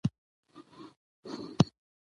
د خان نور دريیم نمبر خصوصي عالي لېسې اداره،